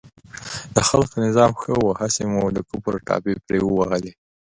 د خلق نظام ښه و، هسې مو د کفر ټاپې پرې ووهلې.